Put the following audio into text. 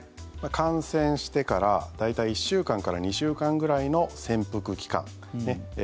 感染してから大体１週間から２週間ぐらいの潜伏期間。